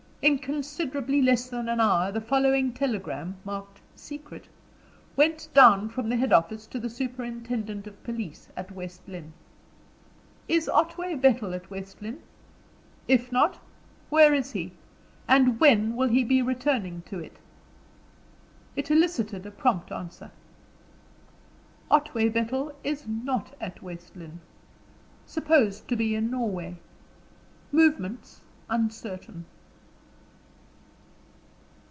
In considerably less than an hour the following telegram, marked "Secret," went down from the head office to the superintendent of police at West Lynne. "Is Otway Bethel at West Lynne? If not; where is he? And when will he be returning to it?" It elicited a prompt answer. "Otway Bethel is not at West Lynne. Supposed to be in Norway. Movements uncertain."